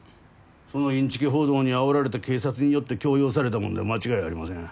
そのいんちき報道にあおられた警察によって強要されたもんで間違いありません。